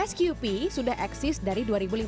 sqp sudah eksis dari dua ribu lima belas